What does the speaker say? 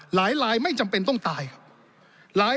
หลายลายไม่จำเป็นต้องตายครับ